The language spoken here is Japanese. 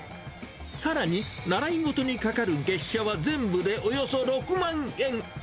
さらに、習い事にかかる月謝は全部でおよそ６万円。